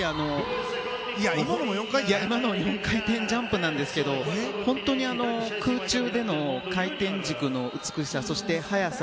今のも４回転ジャンプなんですけど本当に空中での回転軸の美しさそして速さ。